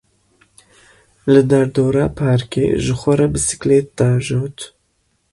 Li derdora parkê ji xwe re bisiklêt diajot.